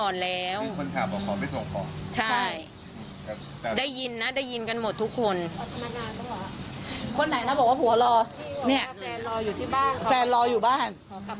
นี่แฟนรออยู่ที่บ้านค่ะขอกลับก่อนแล้วนะครับใช่ไหม